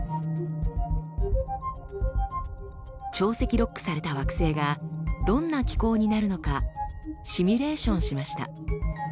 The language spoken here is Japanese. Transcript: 潮汐ロックされた惑星がどんな気候になるのかシミュレーションしました。